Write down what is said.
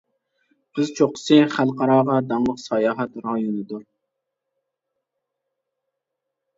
قىز چوققىسى خەلقئاراغا داڭلىق ساياھەت رايونىدۇر.